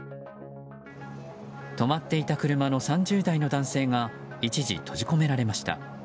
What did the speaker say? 止まっていた車の３０代の男性が一時、閉じ込められました。